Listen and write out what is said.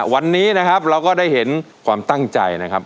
วันนี้นะครับเราก็ได้เห็นความตั้งใจนะครับ